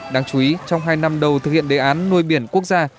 đáng chú ý trong hai năm đầu thực hiện đề án nuôi biển quốc gia